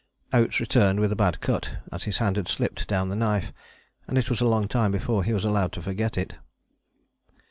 Oates returned with a bad cut, as his hand had slipped down the knife; and it was a long time before he was allowed to forget it.